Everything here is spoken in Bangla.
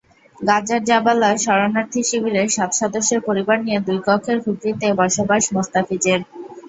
গাজার জাবালা শরণার্থী শিবিরে সাত সদস্যের পরিবার নিয়ে দুই কক্ষের খুপরিতে বসবাস মোস্তাফিজের।